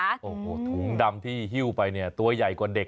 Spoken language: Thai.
โอ้โหถุงดำที่ฮิ้วไปเนี่ยตัวใหญ่กว่าเด็ก